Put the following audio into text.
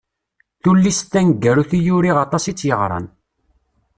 Tullist taneggarut i uriɣ aṭas i tt-yeɣran.